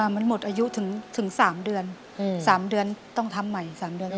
มันหมดอายุถึง๓เดือน๓เดือนต้องทำใหม่๓เดือน